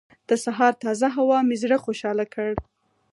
د سهار تازه هوا مې زړه خوشحاله کړ.